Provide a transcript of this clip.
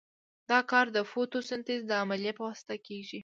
دا کار د فوتو سنتیز د عملیې په واسطه کیږي.